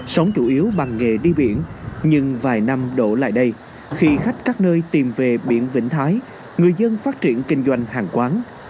sống chủ yếu bằng nghề đi biển nhưng vài năm đổ lại đây khi khách các nơi tìm về biển vĩnh thái người dân phát triển kinh doanh hàng quán